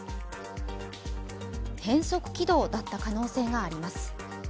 変則軌道だった可能性があります。